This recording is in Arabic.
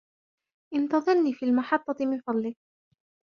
انتظرني في المحطة من فضلك.